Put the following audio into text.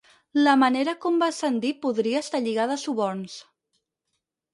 La manera com va ascendir podria estar lligada a suborns.